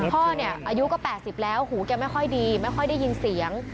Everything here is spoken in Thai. พ่อเนี่ยอายุก็๘๐แล้วหูแกไม่ค่อยดีไม่ค่อยได้ยินเสียง